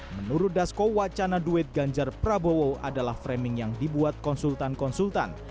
menurut dasko wacana duet ganjar prabowo adalah framing yang dibuat konsultan konsultan